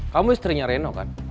kamu istrinya reno kan